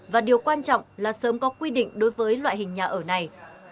và điều quan trọng là sớm có quy định đối với loại hình nhà ở này